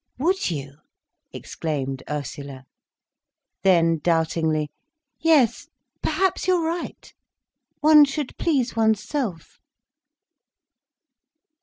"Would you!" exclaimed Ursula. Then doubtingly, "Yes, perhaps you're right. One should please oneself."